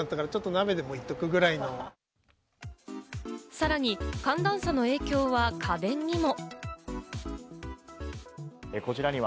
さらに寒暖差の影響は家電にも。